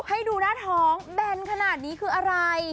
ให้ดูหน้าท้องแบนขนาดนี้คืออะไร